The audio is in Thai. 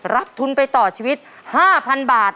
ทุนไปต่อชีวิต๕๐๐๐บาท